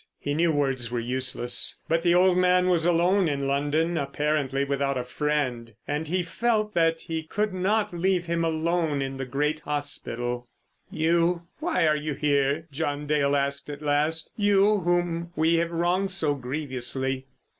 He knew words were useless; but the old man was alone in London, apparently without a friend, and he felt that he could not leave him alone in the great hospital. "You—why are you here?" John Dale asked at last. "You whom we have wronged so grievously."